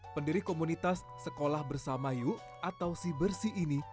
pendiri komunitas sekolah bersama yuk atau si bersih ini